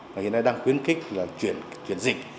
ngày nay đang khuyến khích là chuyển dịch